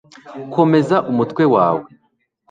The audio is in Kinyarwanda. komeza umutwe wawe